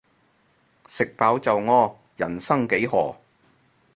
食飽就屙，人生幾何